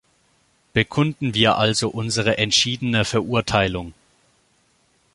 Bekunden wir also unsere entschiedene Verurteilung.